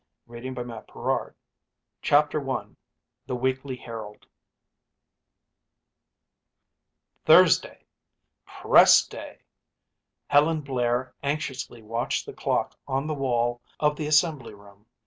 225 Helen in the Editor's Chair CHAPTER I The Weekly Herald Thursday! Press day! Helen Blair anxiously watched the clock on the wall of the assembly room.